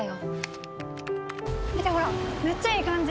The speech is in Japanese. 見てほらめっちゃええ感じ！